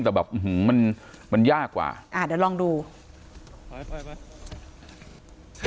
แต่แบบอื้อหือมันมันยากกว่าอ่าเดี๋ยวลองดูไปไปไป